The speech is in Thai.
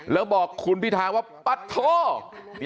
แล้วบอกคุณพิธาว่าปัดโท